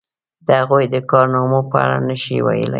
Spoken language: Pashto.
د هغوی د کارنامو په اړه نشي ویلای.